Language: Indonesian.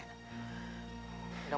mudah mudahan dia memang gak bohongin bunda